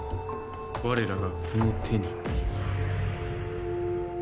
われらがこの手に。